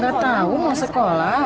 nggak tahu mau sekolah